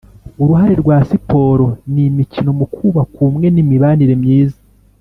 Uruhare rwa siporo n imikino mu kubaka ubumwe n imibanire myiza